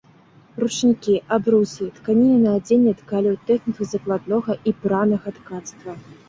Ручнікі, абрусы, тканіны на адзенне ткалі ў тэхніках закладнога і бранага ткацтва.